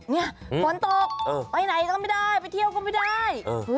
เนี่ยฝนตกไปไหนก็ไม่ได้ไปเที่ยวก็ไม่ได้